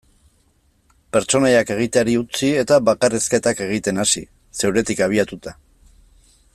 Pertsonaiak egiteari utzi eta bakarrizketak egiten hasi, zeuretik abiatuta.